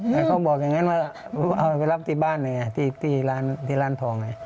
แต่เขาบอกอย่างนั้นว่าเอาไปรับที่บ้านไงที่ร้านที่ร้านทองไง